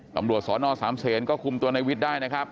ตำรวจสอนอสามเศษก็คุมตัวในวิทย์ได้นะครับ